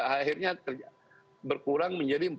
akhirnya berkurang menjadi empat tiga